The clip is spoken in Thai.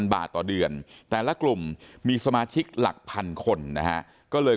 บาทต่อเดือนแต่ละกลุ่มมีสมาชิกหลักพันคนนะฮะก็เลย